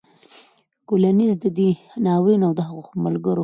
کولینز د دې ناورین او د هغو ملګرو